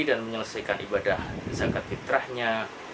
dan menyelesaikan ibadah zakat fitrahnya